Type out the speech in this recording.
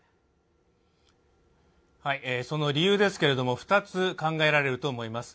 その理由ですけれども、２つ考えられると思います。